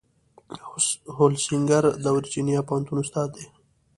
هولسینګر د ورجینیا پوهنتون استاد دی.